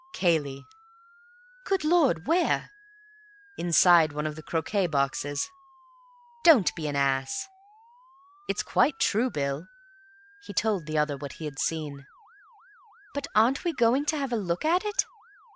"Cayley." "Good Lord! Where?" "Inside one of the croquet boxes." "Don't be an ass." "It's quite true, Bill." He told the other what he had seen. "But aren't we going to have a look at it?"